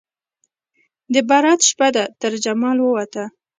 د برات شپه ده ترجمال ووته